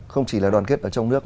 không chỉ là đoàn kết ở trong nước